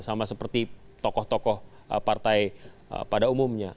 sama seperti tokoh tokoh partai pada umumnya